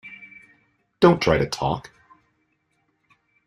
Don’t try to talk!